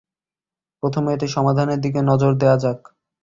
প্রথমে এটা সমাধানের দিকে নজর দেয়া যাক।